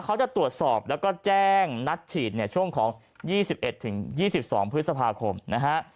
เขาจะตรวจสอบแล้วก็แจ้งนัดฉีดเนี่ยช่วงของ๒๑๒๒พฤษภาคมนะฮะ